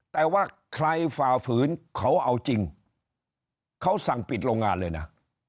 แต่ว่าใครฝ่าฝืนเขาเอาจริงเขาสั่งปิดโรงงานเลยนะ